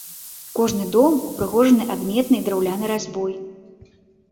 Кожны дом упрыгожаны адметнай драўлянай разьбой.